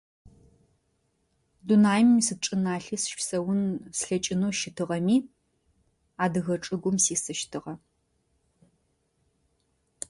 Дунаим изычӀыналъэ сыщыпсэун слъэкӀынэу щытыгъэми Адыгэ чӀыгум сисыщтыгъэ.